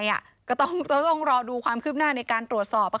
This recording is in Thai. ว่าจะยังไงก็ต้องรอดูความคืบหน้าในการตรวจสอบ